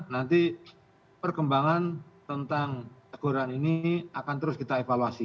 nanti perkembangan tentang teguran ini akan terus kita evaluasi